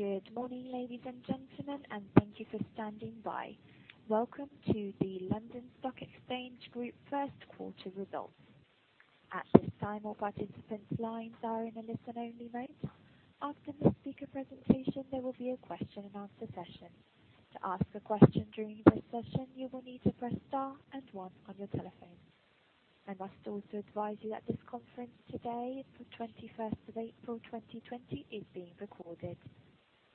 Good morning, ladies and gentlemen, and thank you for standing by. Welcome to the London Stock Exchange Group first quarter results. At this time, all participants' lines are in a listen-only mode. After the speaker presentation, there will be a question and answer session. To ask a question during this session, you will need to press star and one on your telephone. I must also advise you that this conference today, the 21st of April 2020, is being recorded.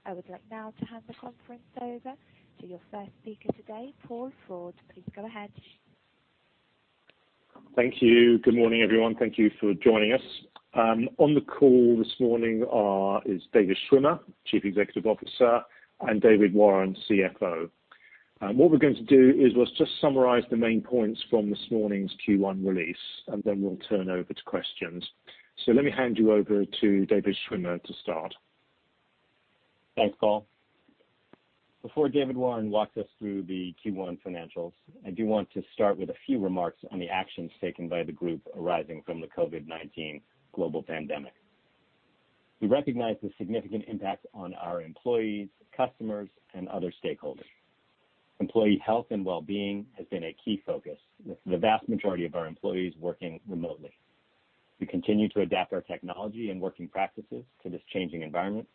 I would like now to hand the conference over to your first speaker today, Paul Froud. Please go ahead. Thank you. Good morning, everyone. Thank you for joining us. On the call this morning is David Schwimmer, Chief Executive Officer, and David Warren, CFO. What we're going to do is we'll just summarize the main points from this morning's Q1 release, and then we'll turn over to questions. Let me hand you over to David Schwimmer to start. Thanks, Paul. Before David Warren walks us through the Q1 financials, I do want to start with a few remarks on the actions taken by the group arising from the COVID-19 global pandemic. We recognize the significant impact on our employees, customers, and other stakeholders. Employee health and well-being has been a key focus, with the vast majority of our employees working remotely. We continue to adapt our technology and working practices to this changing environment,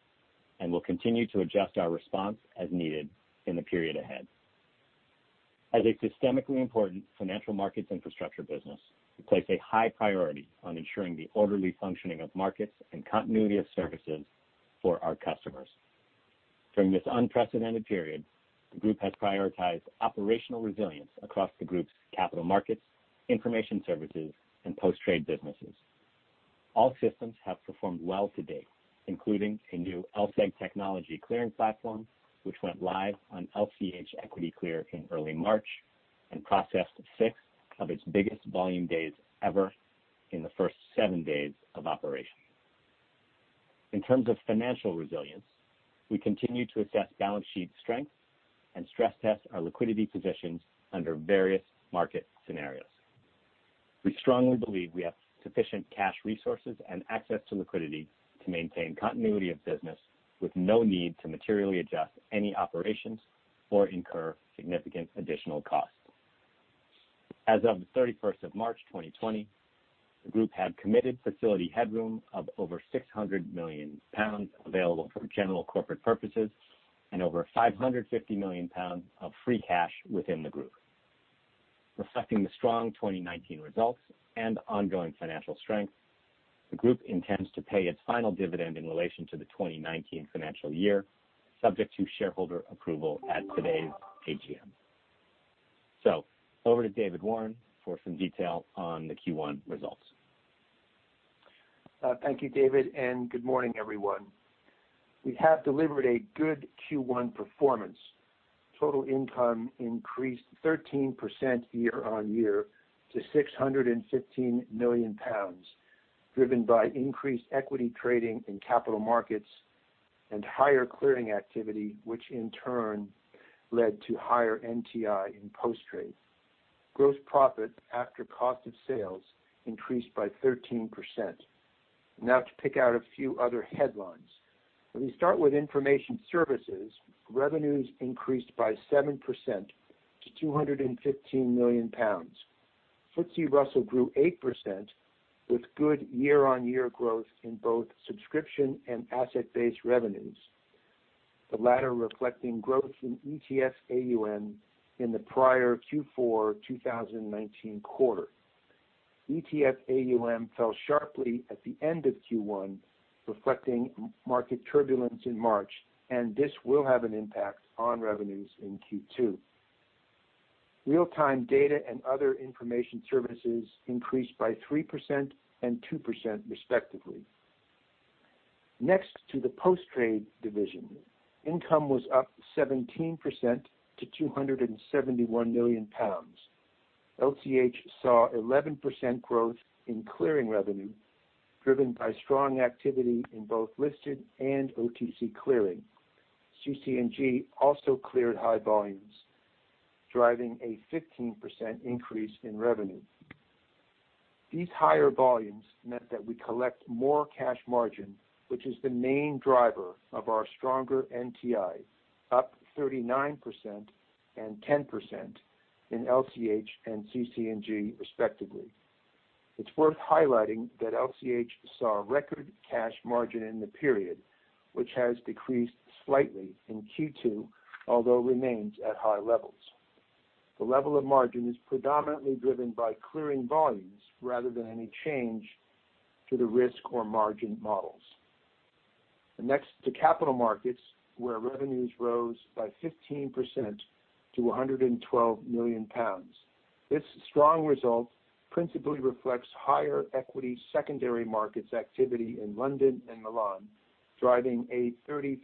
and will continue to adjust our response as needed in the period ahead. As a systemically important financial markets infrastructure business, we place a high priority on ensuring the orderly functioning of markets and continuity of services for our customers. During this unprecedented period, the group has prioritized operational resilience across the group's capital markets, information services, and post-trade businesses. All systems have performed well to date, including a new LSEG technology clearing platform, which went live on LCH EquityClear in early March and processed six of its biggest volume days ever in the first seven days of operation. In terms of financial resilience, we continue to assess balance sheet strength and stress test our liquidity positions under various market scenarios. We strongly believe we have sufficient cash resources and access to liquidity to maintain continuity of business with no need to materially adjust any operations or incur significant additional costs. As of the 31st of March 2020, the group had committed facility headroom of over 600 million pounds available for general corporate purposes and over 550 million pounds of free cash within the group. Reflecting the strong 2019 results and ongoing financial strength, the group intends to pay its final dividend in relation to the 2019 financial year, subject to shareholder approval at today's AGM. Over to David Warren for some detail on the Q1 results. Thank you, David, and good morning, everyone. We have delivered a good Q1 performance. Total income increased 13% year-on-year to 615 million pounds, driven by increased equity trading in capital markets and higher clearing activity, which in turn led to higher NTI in post-trade. Gross profit after cost of sales increased by 13%. To pick out a few other headlines. We start with information services, revenues increased by 7% to 215 million pounds. FTSE Russell grew 8% with good year-on-year growth in both subscription and asset-based revenues, the latter reflecting growth in ETF AUM in the prior Q4 2019 quarter. ETF AUM fell sharply at the end of Q1, reflecting market turbulence in March. This will have an impact on revenues in Q2. Real-time data and other information services increased by 3% and 2% respectively. Next to the post-trade division. Income was up 17% to 271 million pounds. LCH saw 11% growth in clearing revenue, driven by strong activity in both listed and OTC clearing. CC&G also cleared high volumes, driving a 15% increase in revenue. These higher volumes meant that we collect more cash margin, which is the main driver of our stronger NTIs, up 39% and 10% in LCH and CC&G respectively. It's worth highlighting that LCH saw a record cash margin in the period, which has decreased slightly in Q2, although remains at high levels. The level of margin is predominantly driven by clearing volumes rather than any change to the risk or margin models. Capital markets, where revenues rose by 15% to 112 million pounds. This strong result principally reflects higher equity secondary markets activity in London and Milan, driving a 33%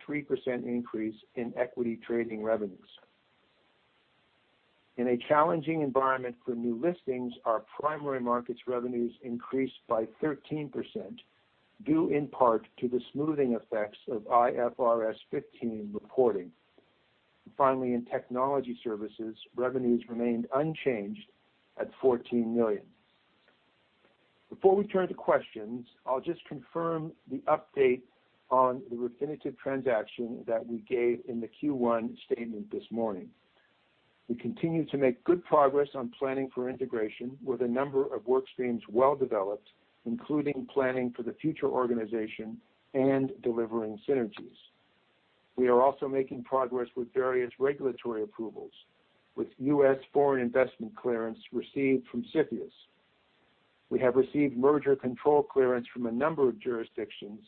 increase in equity trading revenues. In a challenging environment for new listings, our primary markets revenues increased by 13%, due in part to the smoothing effects of IFRS 15 reporting. Finally, in technology services, revenues remained unchanged at 14 million. Before we turn to questions, I'll just confirm the update on the Refinitiv transaction that we gave in the Q1 statement this morning. We continue to make good progress on planning for integration with a number of work streams well developed, including planning for the future organization and delivering synergies. We are also making progress with various regulatory approvals, with U.S. foreign investment clearance received from CFIUS. We have received merger control clearance from a number of jurisdictions,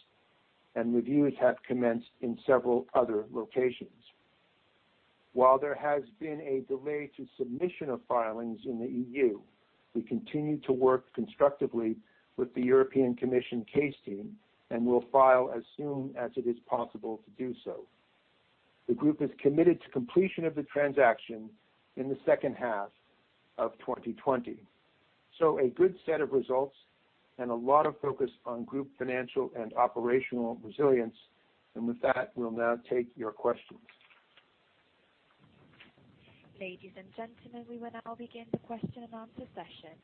and reviews have commenced in several other locations. While there has been a delay to submission of filings in the EU, we continue to work constructively with the European Commission case team and will file as soon as it is possible to do so. The group is committed to completion of the transaction in the second half of 2020. A good set of results and a lot of focus on group financial and operational resilience, and with that, we'll now take your questions. Ladies and gentlemen, we will now begin the question and answer session.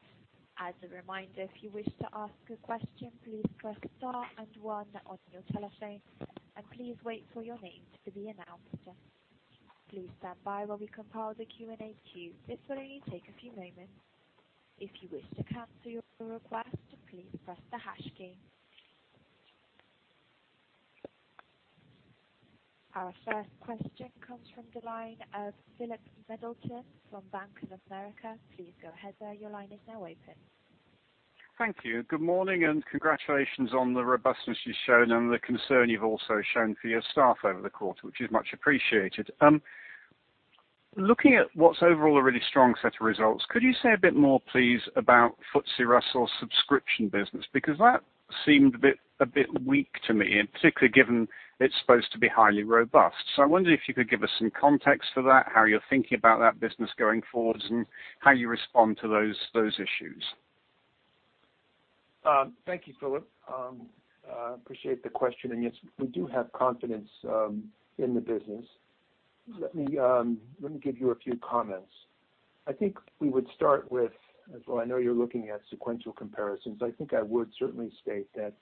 As a reminder, if you wish to ask a question, please press star and one on your telephone, and please wait for your name to be announced. Please stand by while we compile the Q&A queue. This will only take a few moments. If you wish to cancel your request, please press the hash key. Our first question comes from the line of Philip Middleton from Bank of America. Please go ahead, sir. Your line is now open. Thank you. Good morning, congratulations on the robustness you've shown and the concern you've also shown for your staff over the quarter, which is much appreciated. Looking at what's overall a really strong set of results, could you say a bit more, please, about FTSE Russell subscription business? Because that seemed a bit weak to me, and particularly given it's supposed to be highly robust. I wonder if you could give us some context for that, how you're thinking about that business going forwards, and how you respond to those issues? Thank you, Philip. I appreciate the question. Yes, we do have confidence in the business. Let me give you a few comments. Well, I know you're looking at sequential comparisons. I think I would certainly state that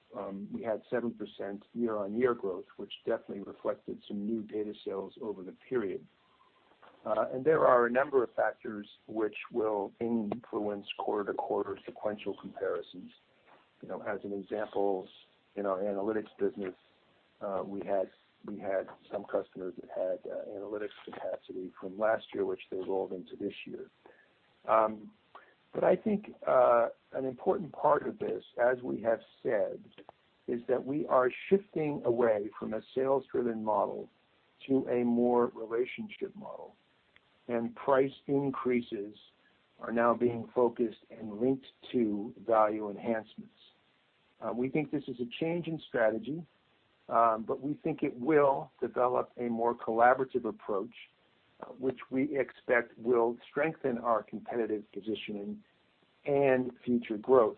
we had 7% year-on-year growth, which definitely reflected some new data sales over the period. There are a number of factors which will influence quarter-to-quarter sequential comparisons. As an example, in our analytics business, we had some customers that had analytics capacity from last year, which they rolled into this year. I think an important part of this, as we have said, is that we are shifting away from a sales-driven model to a more relationship model. Price increases are now being focused and linked to value enhancements. We think this is a change in strategy, but we think it will develop a more collaborative approach, which we expect will strengthen our competitive positioning and future growth.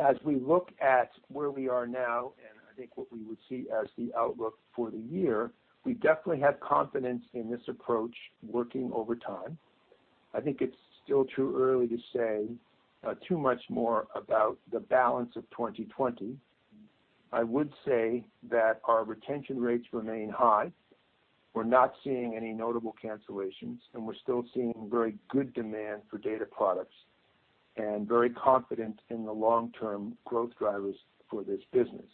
As we look at where we are now, and I think what we would see as the outlook for the year, we definitely have confidence in this approach working over time. I think it's still too early to say too much more about the balance of 2020. I would say that our retention rates remain high. We're not seeing any notable cancellations, and we're still seeing very good demand for data products and very confident in the long-term growth drivers for this business.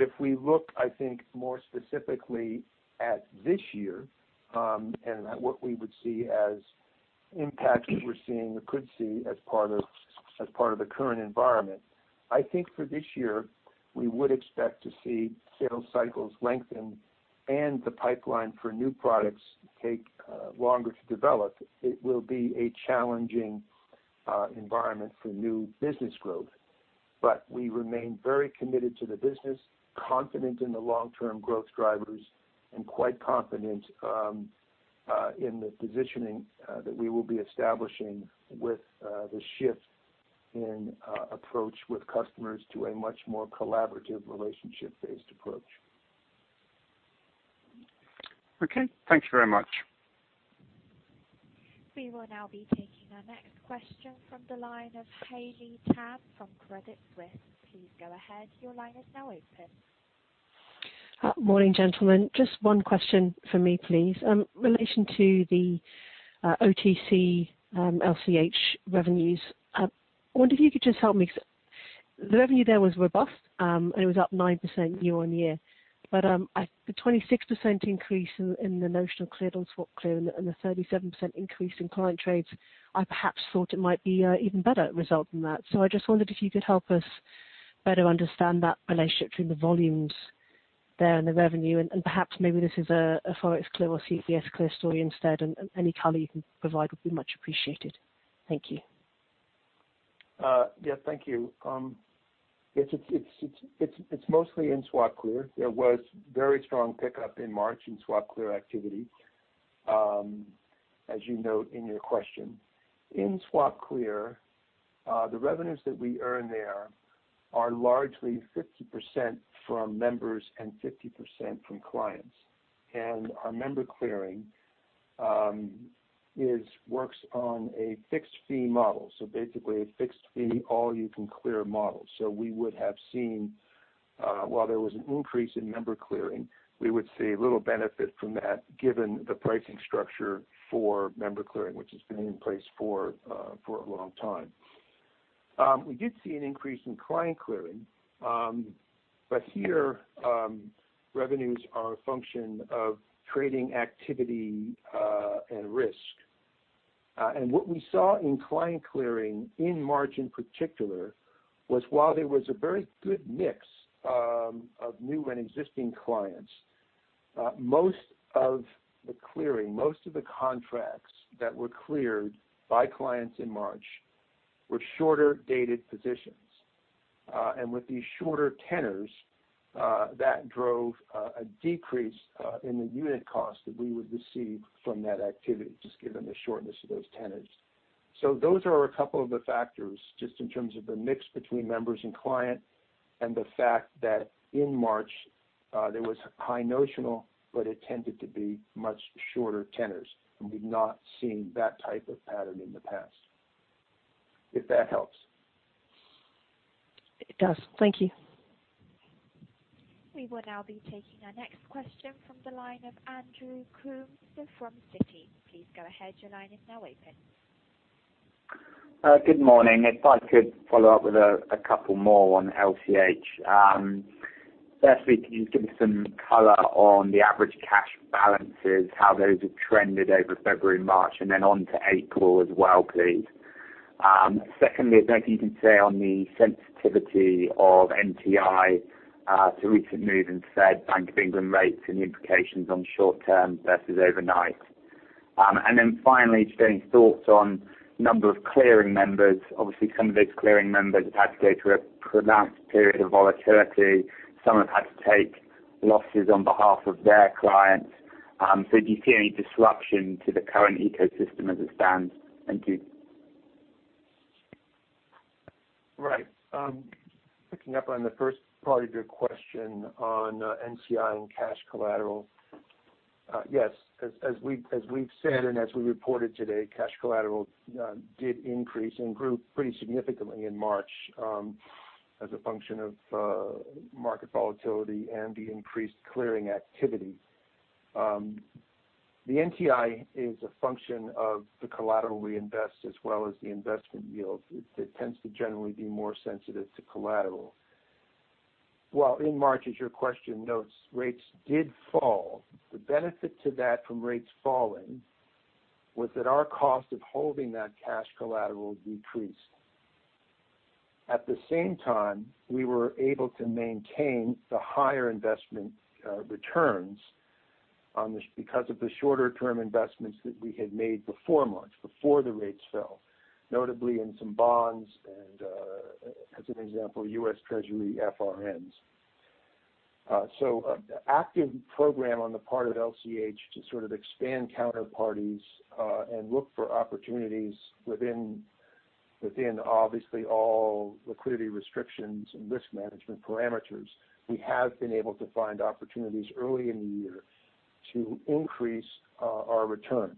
If we look, I think, more specifically at this year, and at what we would see as impacts we're seeing or could see as part of the current environment. I think for this year, we would expect to see sales cycles lengthen and the pipeline for new products take longer to develop. It will be a challenging environment for new business growth. We remain very committed to the business, confident in the long-term growth drivers, and quite confident in the positioning that we will be establishing with the shift in approach with customers to a much more collaborative relationship-based approach. Okay. Thanks very much. We will now be taking our next question from the line of Haley Tam from Credit Suisse. Please go ahead. Your line is now open. Morning, gentlemen. Just one question for me, please. In relation to the OTC and LCH revenues, I wonder if you could just help me. The revenue there was robust, and it was up 9% year-on-year. The 26% increase in the notional cleared on SwapClear and the 37% increase in client trades, I perhaps thought it might be an even better result than that. I just wondered if you could help us better understand that relationship between the volumes there and the revenue, and perhaps maybe this is a ForexClear or CDSClear story instead, and any color you can provide would be much appreciated. Thank you. Yeah. Thank you. It's mostly in SwapClear. There was very strong pickup in March in SwapClear activity, as you note in your question. In SwapClear, the revenues that we earn there are largely 50% from members and 50% from clients. Our member clearing works on a fixed-fee model, so basically a fixed-fee all-you-can-clear model. We would have seen, while there was an increase in member clearing, we would see little benefit from that given the pricing structure for member clearing, which has been in place for a long time. We did see an increase in client clearing, but here, revenues are a function of trading activity and risk. What we saw in client clearing in March, in particular, was while there was a very good mix of new and existing clients, most of the clearing, most of the contracts that were cleared by clients in March were shorter-dated positions. With these shorter tenors, that drove a decrease in the unit cost that we would receive from that activity, just given the shortness of those tenors. Those are a couple of the factors, just in terms of the mix between members and client and the fact that in March, there was a high notional, but it tended to be much shorter tenors, and we've not seen that type of pattern in the past. If that helps. It does. Thank you. We will now be taking our next question from the line of Andrew Coombs from Citi. Please go ahead, your line is now open. Good morning. If I could follow up with a couple more on LCH. Firstly, can you give some color on the average cash balances, how those have trended over February, March, and then on to April as well, please? Secondly, I don't know if you can say on the sensitivity of NTI to recent moves in Fed Bank of England rates and the implications on short term versus overnight. Finally, just any thoughts on number of clearing members. Obviously, some of those clearing members have had to go through a pronounced period of volatility. Some have had to take losses on behalf of their clients. Do you see any disruption to the current ecosystem as it stands? Thank you. Right. Picking up on the first part of your question on NTI and cash collateral. Yes, as we've said, and as we reported today, cash collateral did increase and grew pretty significantly in March, as a function of market volatility and the increased clearing activity. The NTI is a function of the collateral we invest as well as the investment yields. It tends to generally be more sensitive to collateral. While in March, as your question notes, rates did fall, the benefit to that from rates falling was that our cost of holding that cash collateral decreased. At the same time, we were able to maintain the higher investment returns because of the shorter-term investments that we had made before March, before the rates fell, notably in some bonds and, as an example, U.S. Treasury FRNs. An active program on the part of LCH to sort of expand counterparties and look for opportunities within obviously all liquidity restrictions and risk management parameters. We have been able to find opportunities early in the year to increase our returns.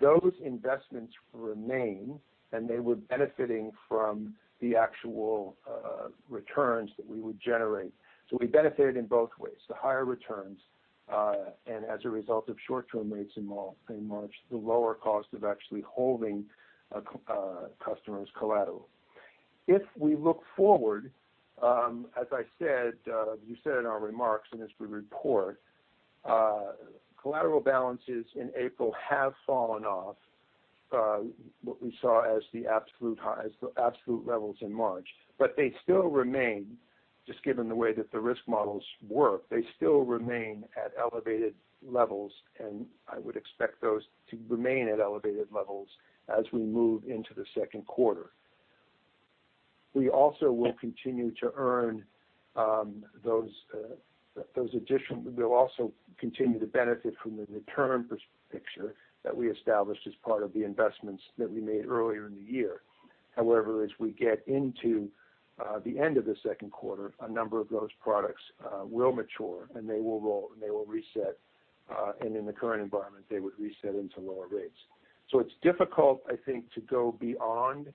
Those investments remain, and they were benefiting from the actual returns that we would generate. We benefited in both ways, the higher returns, and as a result of short-term rates in March, the lower cost of actually holding a customer's collateral. If we look forward, as you said in our remarks and as we report, collateral balances in April have fallen off what we saw as the absolute levels in March, but they still remain, just given the way that the risk models work, at elevated levels, and I would expect those to remain at elevated levels as we move into the second quarter. We'll also continue to benefit from the return picture that we established as part of the investments that we made earlier in the year. However, as we get into the end of the second quarter, a number of those products will mature, and they will roll, and they will reset. In the current environment, they would reset into lower rates. It's difficult, I think, to go beyond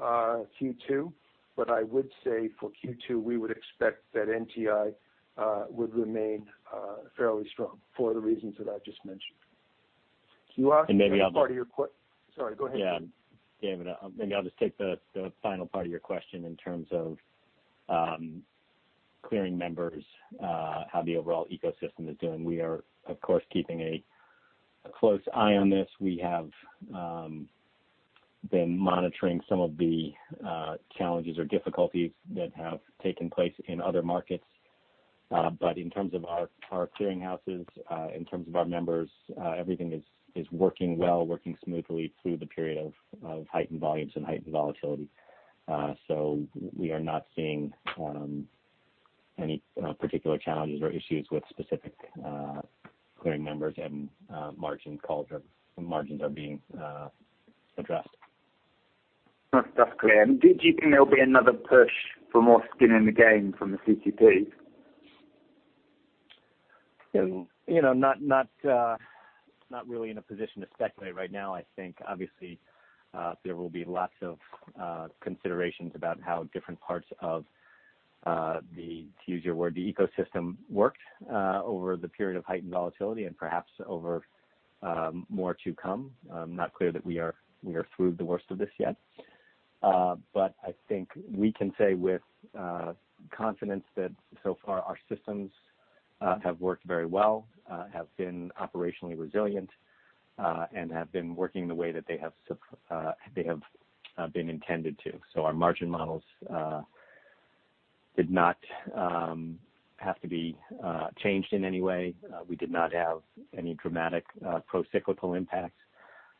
Q2, but I would say for Q2, we would expect that NTI would remain fairly strong for the reasons that I just mentioned. Sorry, go ahead. Yeah. David, maybe I'll just take the final part of your question in terms of clearing members, how the overall ecosystem is doing. We are, of course, keeping a close eye on this. We have been monitoring some of the challenges or difficulties that have taken place in other markets. In terms of our clearing houses, in terms of our members, everything is working well, working smoothly through the period of heightened volumes and heightened volatility. We are not seeing any particular challenges or issues with specific clearing members, and margin calls are being addressed. That's clear. Do you think there'll be another push for more skin in the game from the CCP? Not really in a position to speculate right now. I think obviously there will be lots of considerations about how different parts of the, to use your word, the ecosystem worked over the period of heightened volatility and perhaps over more to come. Not clear that we are through the worst of this yet. I think we can say with confidence that so far our systems have worked very well, have been operationally resilient, and have been working the way that they have been intended to. Our margin models did not have to be changed in any way. We did not have any dramatic procyclical impacts.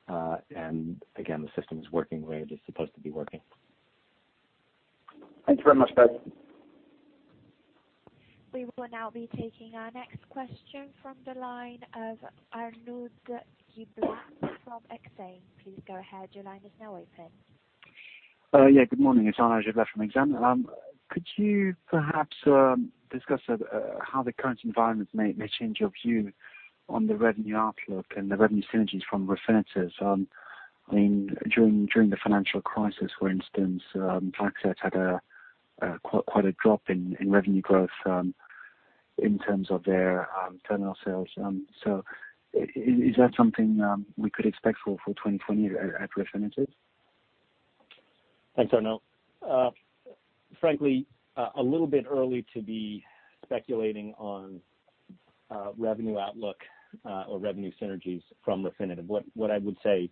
Again, the system is working the way it is supposed to be working. Thanks very much, We will now be taking our next question from the line of Arnaud Giblat from Exane. Please go ahead. Your line is now open. Good morning. It's Arnaud Giblat from Exane. Could you perhaps discuss how the current environment may change your view on the revenue outlook and the revenue synergies from Refinitiv? During the financial crisis, for instance, FactSet had quite a drop in revenue growth in terms of their terminal sales. Is that something we could expect for 2020 at Refinitiv? Thanks, Arnaud. Frankly, a little bit early to be speculating on revenue outlook or revenue synergies from Refinitiv. What I would say,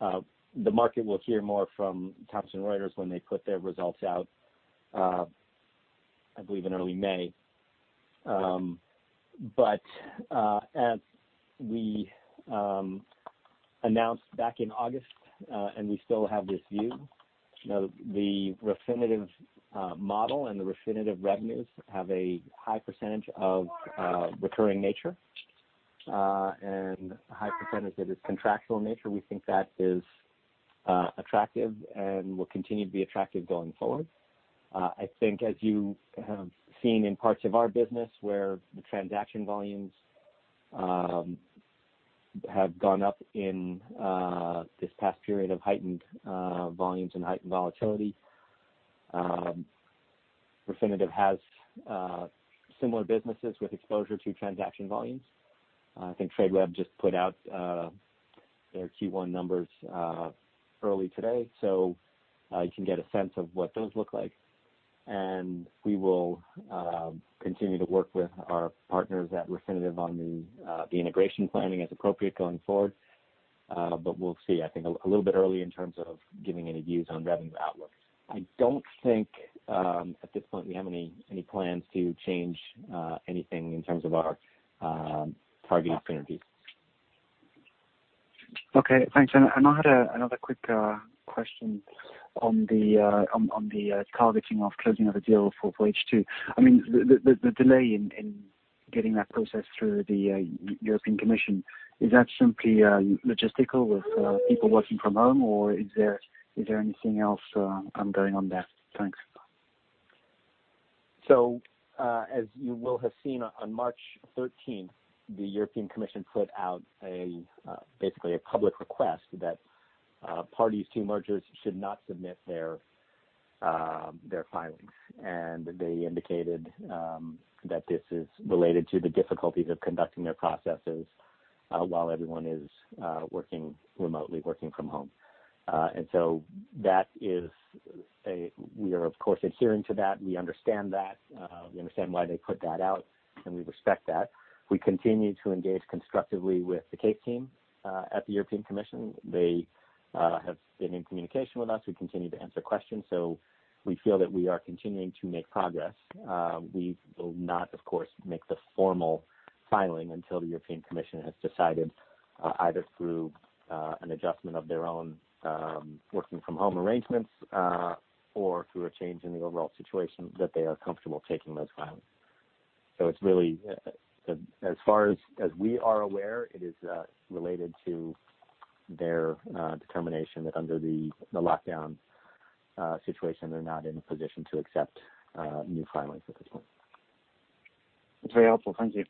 the market will hear more from Thomson Reuters when they put their results out, I believe in early May. As we announced back in August, and we still have this view, the Refinitiv model and the Refinitiv revenues have a high percentage of recurring nature, and a high percentage that is contractual nature. We think that is attractive and will continue to be attractive going forward. I think as you have seen in parts of our business, where the transaction volumes have gone up in this past period of heightened volumes and heightened volatility, Refinitiv has similar businesses with exposure to transaction volumes. I think Tradeweb just put out their Q1 numbers early today. You can get a sense of what those look like. We will continue to work with our partners at Refinitiv on the integration planning as appropriate going forward. We'll see. I think a little bit early in terms of giving any views on revenue outlooks. I don't think at this point we have any plans to change anything in terms of our targeted synergies. Okay, thanks. I had another quick question on the targeting of closing of the deal for H2. The delay in getting that process through the European Commission, is that simply logistical with people working from home, or is there anything else ongoing on that? Thanks. As you will have seen on March 13, the European Commission put out basically a public request that parties to mergers should not submit their filings. They indicated that this is related to the difficulties of conducting their processes while everyone is working remotely, working from home. We are of course adhering to that. We understand that. We understand why they put that out, and we respect that. We continue to engage constructively with the case team at the European Commission. They have been in communication with us. We continue to answer questions, so we feel that we are continuing to make progress. We will not, of course, make the formal filing until the European Commission has decided, either through an adjustment of their own working from home arrangements or through a change in the overall situation, that they are comfortable taking those filings. As far as we are aware, it is related to their determination that under the lockdown situation, they're not in a position to accept new filings at this point. It's very helpful. Thank you.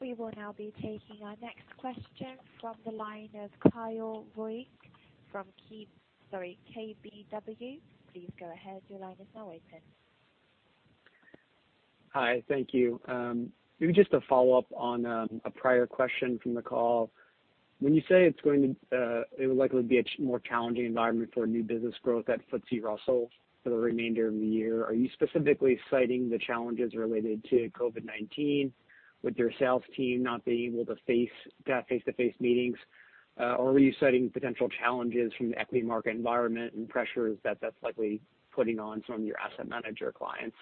We will now be taking our next question from the line of Kyle Voigt from KBW. Please go ahead. Your line is now open. Hi. Thank you. Just a follow-up on a prior question from the call. When you say it would likely be a more challenging environment for new business growth at FTSE Russell for the remainder of the year, are you specifically citing the challenges related to COVID-19 with your sales team not being able to face-to-face meetings, or are you citing potential challenges from the equity market environment and pressures that's likely putting on some of your asset manager clients?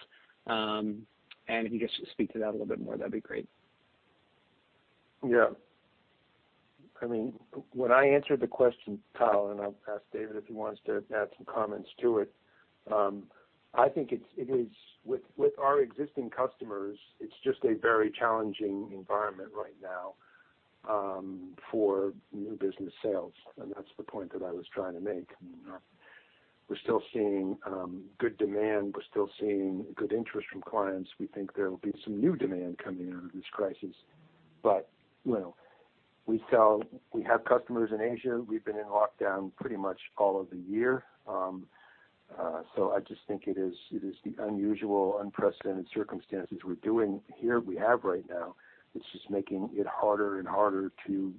If you could just speak to that a little bit more, that'd be great. Yeah. When I answered the question, Kyle, I'll ask David if he wants to add some comments to it. I think with our existing customers, it's just a very challenging environment right now for new business sales, and that's the point that I was trying to make. We're still seeing good demand. We're still seeing good interest from clients. We think there will be some new demand coming out of this crisis. We have customers in Asia. We've been in lockdown pretty much all of the year. I just think it is the unusual, unprecedented circumstances we have right now, that's just making it harder and harder to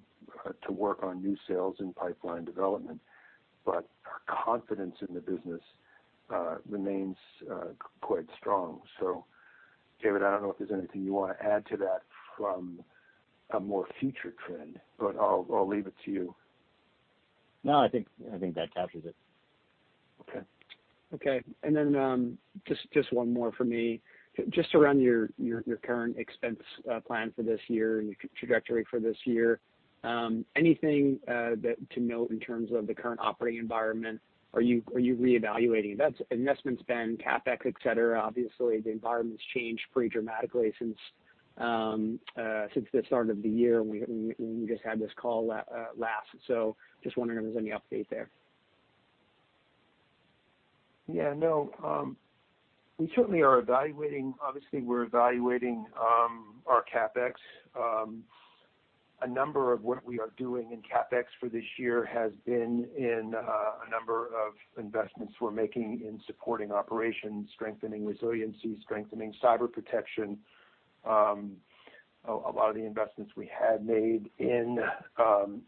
work on new sales and pipeline development. Our confidence in the business remains quite strong. David, I don't know if there's anything you want to add to that from a more future trend, but I'll leave it to you. No, I think that captures it. Okay. Okay. Just one more for me. Just around your current expense plan for this year and your trajectory for this year. Anything to note in terms of the current operating environment? Are you reevaluating investment spend, CapEx, et cetera? Obviously, the environment's changed pretty dramatically since the start of the year when we just had this call last. Just wondering if there's any update there. No, we certainly are evaluating. Obviously, we're evaluating our CapEx. A number of what we are doing in CapEx for this year has been in a number of investments we're making in supporting operations, strengthening resiliency, strengthening cyber protection. A lot of the investments we had made in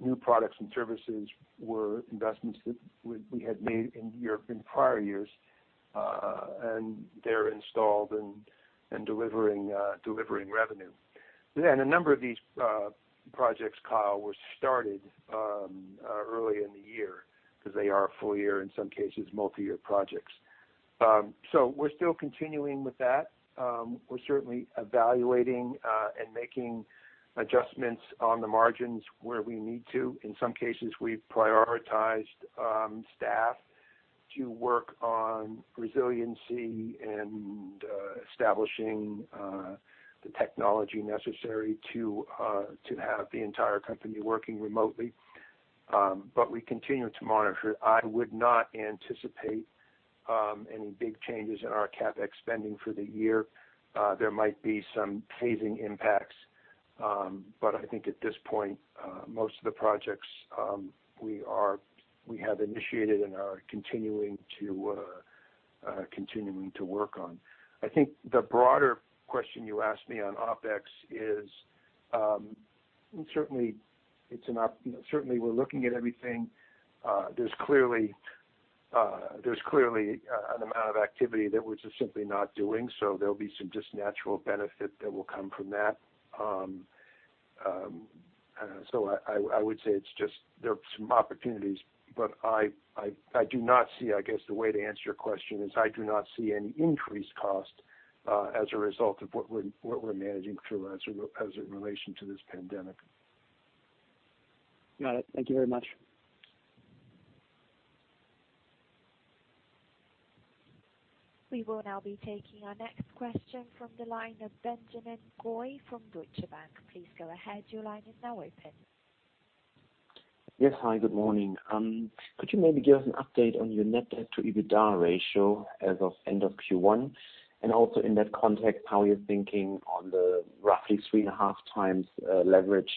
new products and services were investments that we had made in prior years, and they're installed and delivering revenue. A number of these projects, Kyle, were started early in the year because they are full-year, in some cases, multi-year projects. We're still continuing with that. We're certainly evaluating and making adjustments on the margins where we need to. In some cases, we've prioritized staff to work on resiliency and establishing the technology necessary to have the entire company working remotely. We continue to monitor. I would not anticipate any big changes in our CapEx spending for the year. There might be some phasing impacts. I think at this point, most of the projects we have initiated and are continuing to work on. I think the broader question you asked me on OpEx is certainly we're looking at everything. There's clearly an amount of activity that we're just simply not doing. There'll be some just natural benefit that will come from that. I would say there are some opportunities, but I do not see, I guess the way to answer your question is I do not see any increased cost as a result of what we're managing through as in relation to this pandemic. Got it. Thank you very much. We will now be taking our next question from the line of Benjamin Goy from Deutsche Bank. Please go ahead, your line is now open. Yes. Hi, good morning. Could you maybe give us an update on your net debt to EBITDA ratio as of end of Q1? Also in that context, how you're thinking on the roughly 3.5x leverage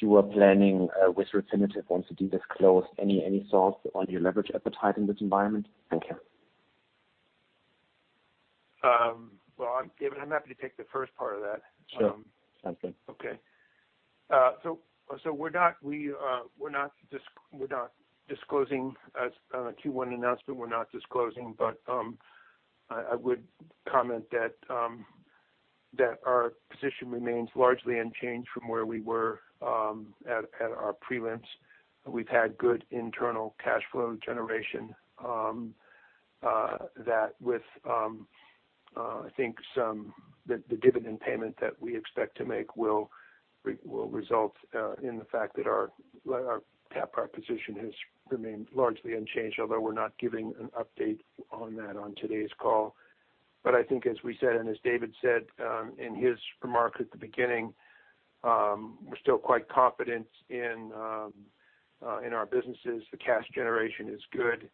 you were planning with Refinitiv once you disclose any source on your leverage appetite in this environment? Thank you. Well, David, I'm happy to take the first part of that. Sure. Sounds good. Okay. We're not disclosing on a Q1 announcement. We're not disclosing, I would comment that our position remains largely unchanged from where we were at our prelims. We've had good internal cash flow generation that with I think the dividend payment that we expect to make will result in the fact that our CapEx proposition has remained largely unchanged, although we're not giving an update on that on today's call. I think as we said, and as David said in his remarks at the beginning, we're still quite confident in our businesses. The cash generation is good.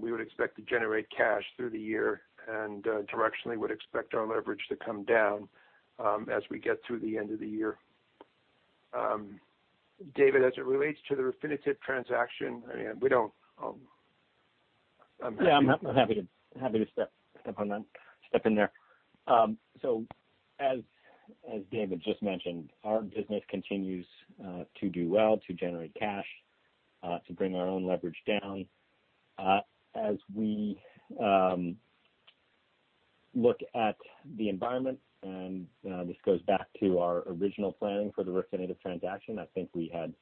We would expect to generate cash through the year and directionally would expect our leverage to come down as we get through the end of the year. David, as it relates to the Refinitiv transaction. Yeah, I'm happy to step in there. As David just mentioned, our business continues to do well, to generate cash, to bring our own leverage down. As we look at the environment, and this goes back to our original planning for the Refinitiv transaction, I think we had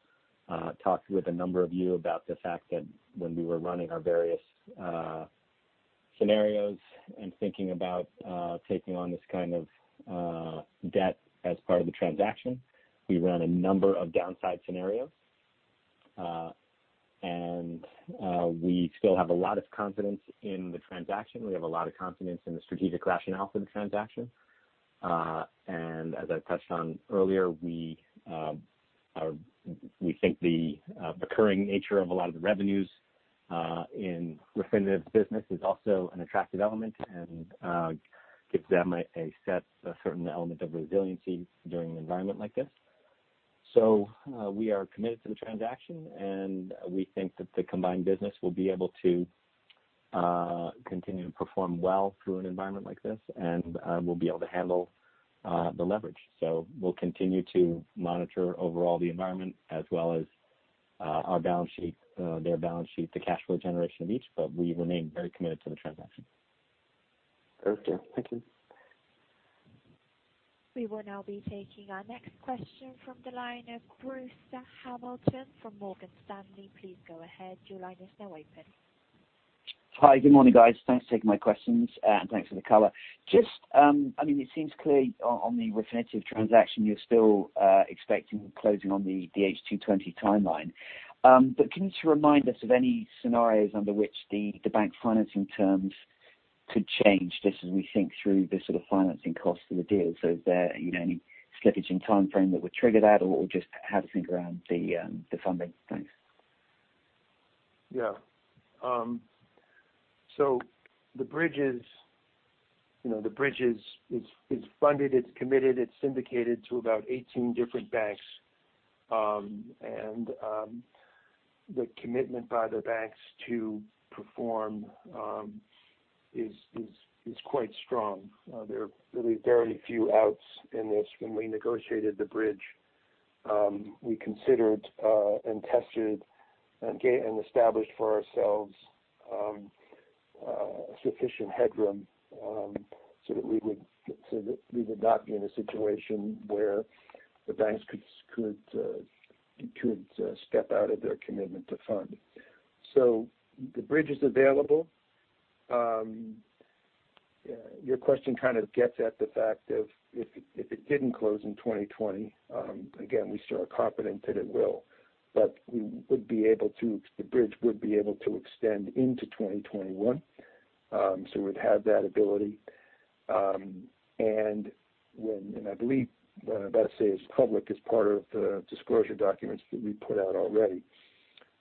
talked with a number of you about the fact that when we were running our various scenarios and thinking about taking on this kind of debt as part of the transaction. We ran a number of downside scenarios, we still have a lot of confidence in the transaction. We have a lot of confidence in the strategic rationale for the transaction. As I touched on earlier, we think the recurring nature of a lot of the revenues in Refinitiv's business is also an attractive element and gives them a set certain element of resiliency during an environment like this. We are committed to the transaction, and we think that the combined business will be able to continue to perform well through an environment like this, and we'll be able to handle the leverage. We'll continue to monitor overall the environment as well as our balance sheet, their balance sheet, the cash flow generation of each, but we remain very committed to the transaction. Okay, thank you. We will now be taking our next question from the line of Bruce Hamilton from Morgan Stanley. Please go ahead. Your line is now open. Hi. Good morning, guys. Thanks for taking my questions, and thanks for the color. It seems clear on the Refinitiv transaction, you're still expecting closing on the H2 2020 timeline. Can you just remind us of any scenarios under which the bank financing terms could change, just as we think through the sort of financing cost of the deal? Is there any slippage in timeframe that would trigger that, or just how to think around the funding? Thanks. The bridge is funded, it's committed, it's syndicated to about 18 different banks. The commitment by the banks to perform is quite strong. There are really very few outs in this. When we negotiated the bridge, we considered and tested, and established for ourselves sufficient headroom so that we would not be in a situation where the banks could step out of their commitment to fund. The bridge is available. Your question kind of gets at the fact of if it didn't close in 2020, again, we still are confident that it will, but the bridge would be able to extend into 2021. We'd have that ability. I believe that [stay] is public as part of the disclosure documents that we put out already.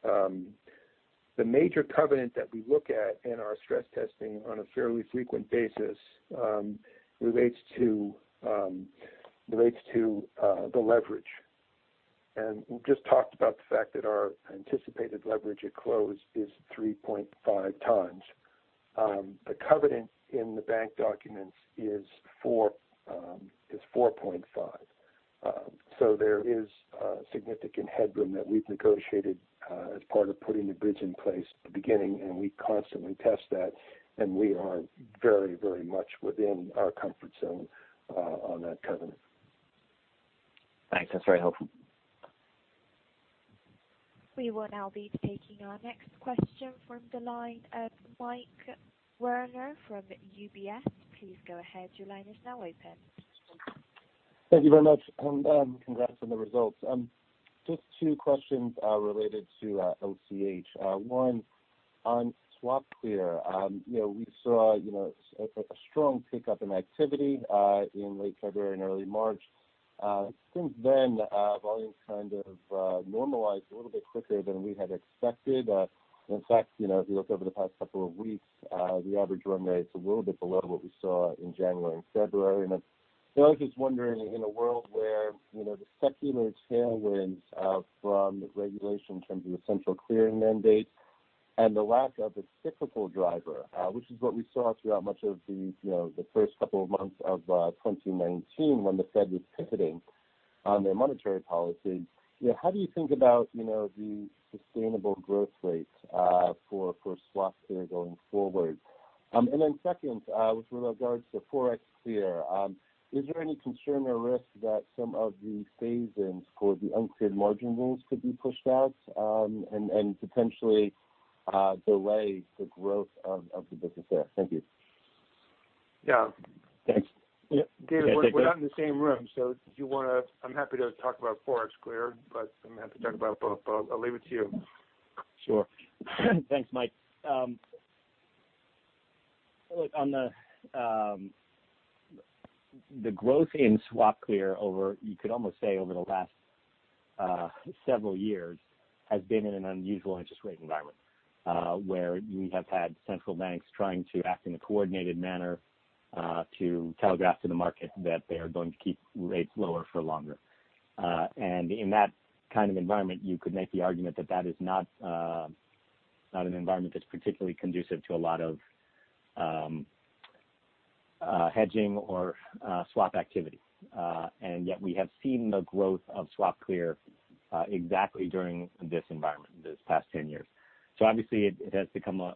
The major covenant that we look at in our stress testing on a fairly frequent basis relates to the leverage. We've just talked about the fact that our anticipated leverage at close is 3.5x. The covenant in the bank documents is [4.5x]. There is significant headroom that we've negotiated as part of putting the bridge in place at the beginning, and we constantly test that, and we are very much within our comfort zone on that covenant. Thanks. That's very helpful. We will now be taking our next question from the line of Michael Werner from UBS. Please go ahead. Your line is now open. Thank you very much. Congrats on the results. Just two questions related to LCH. One, on SwapClear. We saw a strong pickup in activity in late February and early March. Since then, volume kind of normalized a little bit quicker than we had expected. In fact, if you look over the past couple of weeks, the average run rate's a little bit below what we saw in January and February. I was just wondering, in a world where the secular tailwinds from regulation in terms of the central clearing mandate and the lack of a cyclical driver, which is what we saw throughout much of the first couple of months of 2019 when the Fed was pivoting on their monetary policy. How do you think about the sustainable growth rate for SwapClear going forward? Second, with regards to ForexClear, is there any concern or risk that some of the phase-ins for the uncleared margin rules could be pushed out and potentially delay the growth of the business there? Thank you. Yeah. Thanks. David, we're not in the same room, so I'm happy to talk about ForexClear, but I'm happy to talk about both. I'll leave it to you. Sure. Thanks, Mike. On the growth in SwapClear, you could almost say over the last several years, has been in an unusual interest rate environment. Where we have had central banks trying to act in a coordinated manner to telegraph to the market that they are going to keep rates lower for longer. In that kind of environment, you could make the argument that that is not an environment that's particularly conducive to a lot of hedging or swap activity. Yet we have seen the growth of SwapClear exactly during this environment, this past 10 years. Obviously, it has become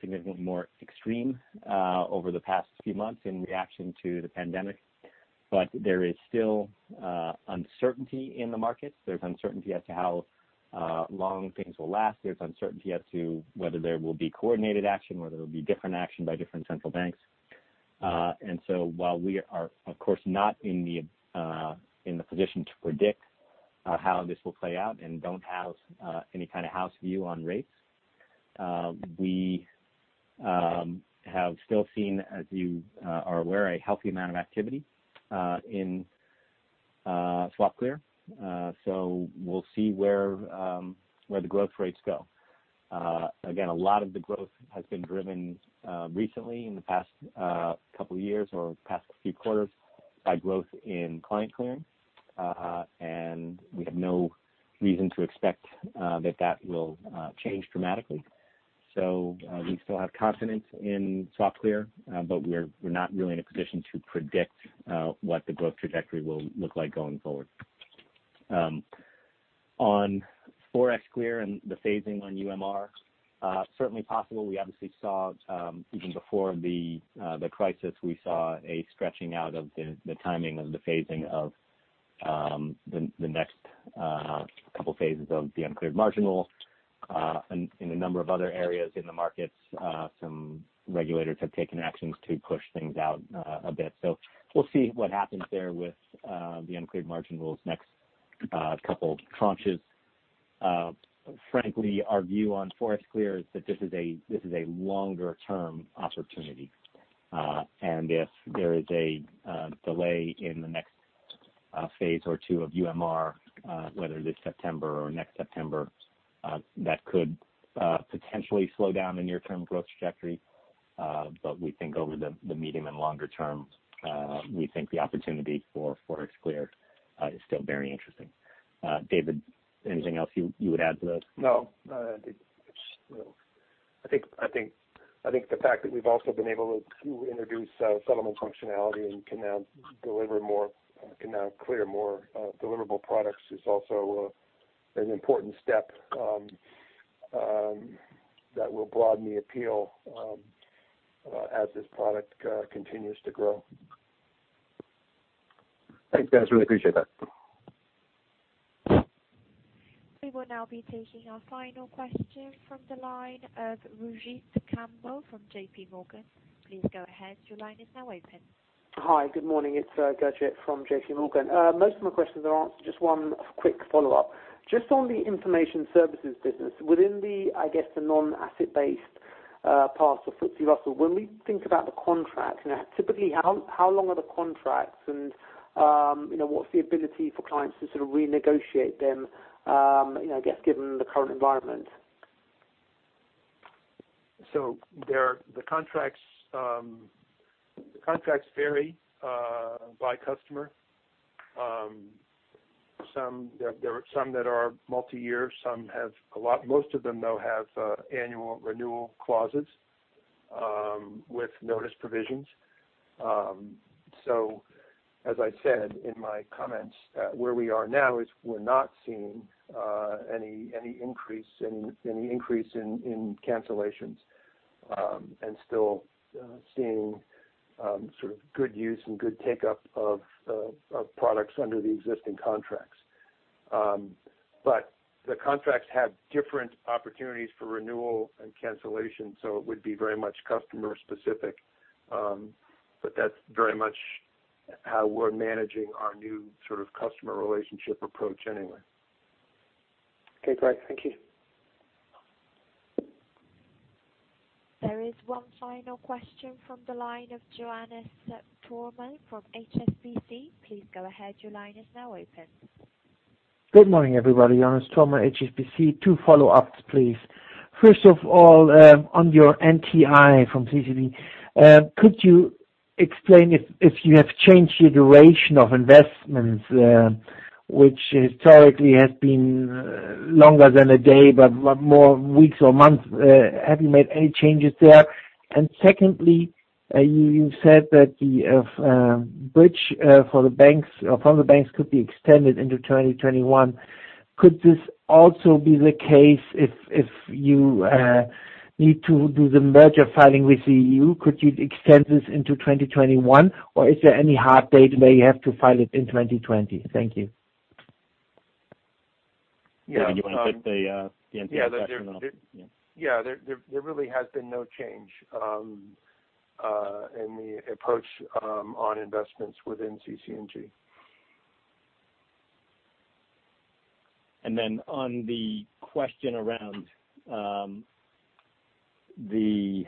significantly more extreme over the past few months in reaction to the pandemic. There is still uncertainty in the market. There's uncertainty as to how long things will last. There's uncertainty as to whether there will be coordinated action, whether it'll be different action by different central banks. While we are, of course, not in the position to predict how this will play out and don't have any kind of house view on rates, we have still seen, as you are aware, a healthy amount of activity in SwapClear. We'll see where the growth rates go. Again, a lot of the growth has been driven recently, in the past couple of years or past few quarters, by growth in client clearing. We have no reason to expect that that will change dramatically. We still have confidence in SwapClear, but we're not really in a position to predict what the growth trajectory will look like going forward. On ForexClear and the phasing on UMR, certainly possible. Even before the crisis, we saw a stretching out of the timing of the phasing of the next couple phases of the uncleared margin. In a number of other areas in the markets, some regulators have taken actions to push things out a bit. We'll see what happens there with the uncleared margin's next couple tranches. Frankly, our view on ForexClear is that this is a longer-term opportunity. If there is a delay in the next phase or two of UMR, whether it is September or next September, that could potentially slow down the near-term growth trajectory, but we think over the medium and longer term, we think the opportunity for ForexClear is still very interesting. David, anything else you would add to this? No, I think the fact that we've also been able to introduce settlement functionality and can now clear more deliverable products is also an important step that will broaden the appeal as this product continues to grow. Thanks, guys. Really appreciate that. We will now be taking our final question from the line of Grujit Kambo from JPMorgan. Please go ahead. Your line is now open. Hi. Good morning. It's Grujit from JPMorgan. Most of my questions are answered. Just one quick follow-up. Just on the information services business, within the, I guess, the non-asset-based part of FTSE Russell, when we think about the contracts and typically, how long are the contracts and what's the ability for clients to sort of renegotiate them, I guess, given the current environment? The contracts vary by customer. There are some that are multi-year. Most of them, though, have annual renewal clauses with notice provisions. As I said in my comments, where we are now is we're not seeing any increase in cancellations and still seeing sort of good use and good take-up of products under the existing contracts. The contracts have different opportunities for renewal and cancellation, so it would be very much customer-specific. That's very much how we're managing our new sort of customer relationship approach anyway. Okay, great. Thank you. There is one final question from the line of Johannes Thormann from HSBC. Please go ahead. Your line is now open. Good morning, everybody. Johannes Thormann, HSBC. Two follow-ups, please. First of all, on your NTI from CC&G, could you explain if you have changed the duration of investments, which historically has been longer than a day, but more weeks or months? Have you made any changes there? Secondly, you said that the bridge from the banks could be extended into 2021. Could this also be the case if you need to do the merger filing with the EU? Could you extend this into 2021, or is there any hard date where you have to file it in 2020? Thank you. David, you want to take the NTI question? Yeah. There really has been no change in the approach on investments within CC&G. On the question around the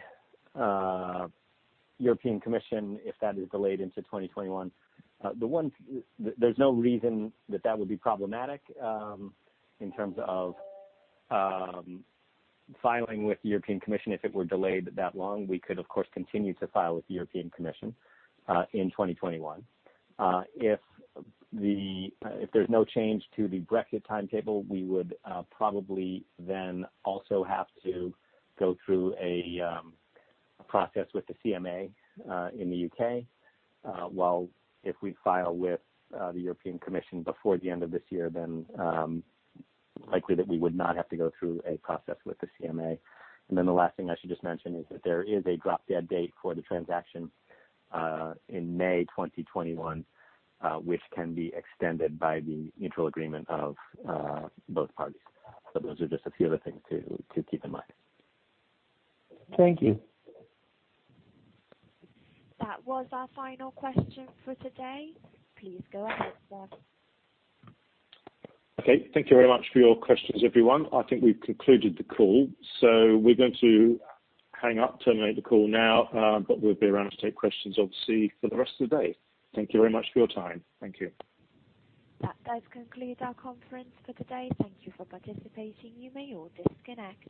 European Commission, if that is delayed into 2021, there's no reason that that would be problematic in terms of filing with the European Commission if it were delayed that long. We could, of course, continue to file with the European Commission in 2021. If there's no change to the Brexit timetable, we would probably then also have to go through a process with the CMA in the U.K., while if we file with the European Commission before the end of this year, then likely that we would not have to go through a process with the CMA. The last thing I should just mention is that there is a drop-dead date for the transaction in May 2021, which can be extended by the mutual agreement of both parties. Those are just a few other things to keep in mind. Thank you. That was our final question for today. Please go ahead, sir. Okay. Thank you very much for your questions, everyone. I think we've concluded the call. We're going to hang up, terminate the call now, but we'll be around to take questions, obviously, for the rest of the day. Thank you very much for your time. Thank you. That does conclude our conference for today. Thank you for participating. You may all disconnect.